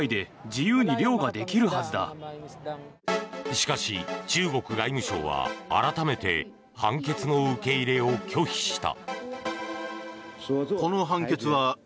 しかし、中国外務省は改めて判決の受け入れを拒否した。